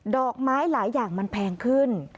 ดอกไม้หลายอย่างมันแพงขึ้น